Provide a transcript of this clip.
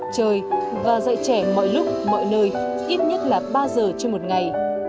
chơi và dạy trẻ mọi lúc mọi nơi ít nhất là ba giờ trên một ngày